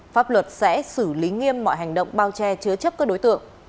pháp luật sẽ xử lý nghiêm mọi hành động bao che chứa chấp các đối tượng